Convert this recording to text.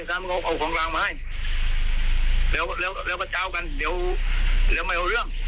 ซ้ำเขาเอาของรางมาให้แล้วแล้วก็เจ้ากันเดี๋ยวแล้วไม่เอาเรื่อง